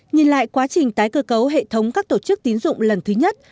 nhìn lại quá trình tái cơ cấu hệ thống các tổ chức tín dụng lần thứ nhất